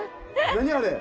何あれ！？